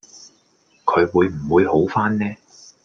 佢會唔會好番呢？